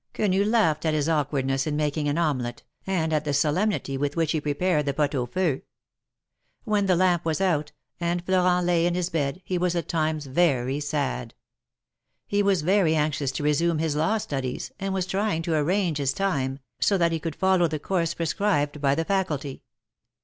Quenu laughed at his awkwardness in making an ome lette, and at the solemnity with which he prepared the pot au feu. When the lamp was out, and Florent lay in his bed, he was at times very sad. He was very anxious to resume his law studies, and was trying to arrange his time, so that he could follow the course prescribed by the Faculty.